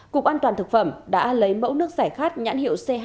cục an toàn thực phẩm đã lấy mẫu nước giải khát nhãn hiệu c hai